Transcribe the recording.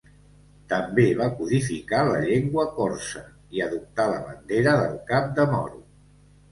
També va codificar la llengua corsa i adoptà la bandera del cap de moro.